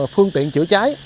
phương tiện chữa cháy